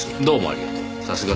どうもありがとう。